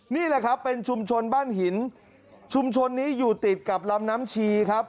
นี่แหละครับเป็นชุมชนบ้านหินชุมชนนี้อยู่ติดกับลำน้ำชีครับ